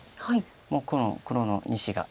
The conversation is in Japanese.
この黒の２子が。